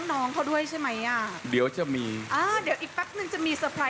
น้องเขาด้วยใช่ไหมอ่ะ